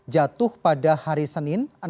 jatuh pada hari senin